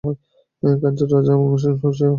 কাঞ্চীর রাজা অমর সিং খুশি হইয়া সম্মত হইলেন।